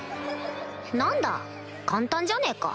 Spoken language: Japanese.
何だ簡単じゃねえか